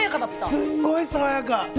すごい爽やか。